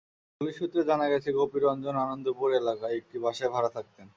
Police সূত্রে জানা গেছে, গোপী রঞ্জন আনন্দপুর এলাকায় একটি বাসায় ভাড়া থাকতেন।